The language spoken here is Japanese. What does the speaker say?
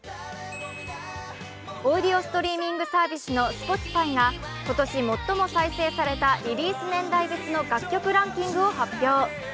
オーディオストリーミングサービスのＳｐｏｔｉｆｙが今年最も再生されたリリース年代別の楽曲ランキングを発表。